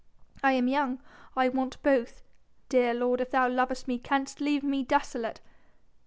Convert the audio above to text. I am young I want both.... Dear lord, if thou lovest me canst leave me desolate?..."